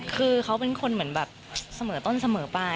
คือเขาเป็นคนเหมือนแบบเสมอต้นเสมอไป